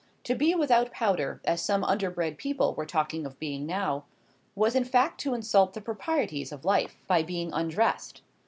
To be without powder, as some underbred people were talking of being now, was in fact to insult the proprieties of life, by being undressed.